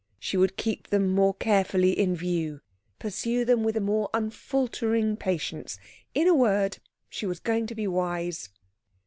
She would keep them more carefully in view, pursue them with a more unfaltering patience in a word, she was going to be wise.